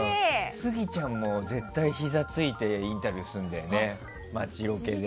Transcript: スギちゃんも絶対、ひざついてインタビューするんだよね街ロケで。